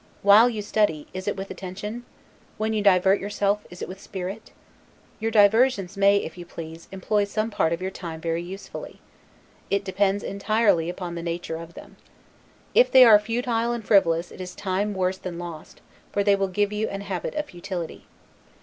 While you study, is it with attention? When you divert yourself, is it with spirit? Your diversions may, if you please, employ some part of your time very usefully. It depends entirely upon the nature of them. If they are futile and frivolous it is time worse than lost, for they will give you an habit of futility.